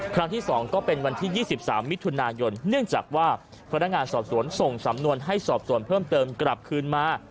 ครั้งที่๒ก็เป็นวันที่๒๓มิถุนายนเนื่องจากว่าพนักงานสอบสวนส่งสำนวนให้สอบส่วนเพิ่มเติมกลับคืนมา